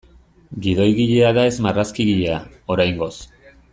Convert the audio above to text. Gidoigilea da ez marrazkigilea, oraingoz.